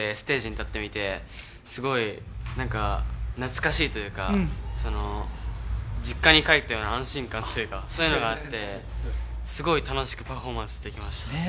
でもやっぱＴＨＥＦＩＲＳＴメンバーで改めてステージに立ってみて、すごい、なんか、懐かしいというか、実家に帰ったような安心感というかそういうのがあって、すごい楽しくパフォーマンスできました。